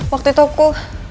waktu itu aku